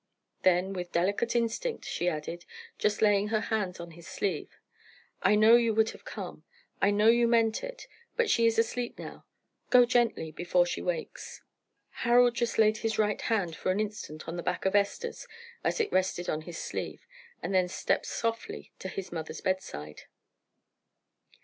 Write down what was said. Then with delicate instinct, she added, just laying her hand on his sleeve, "I know you would have come. I know you meant it. But she is asleep now. Go gently before she wakes." Harold just laid his right hand for an instant on the back of Esther's as it rested on his sleeve, and then stepped softly to his mother's bedside.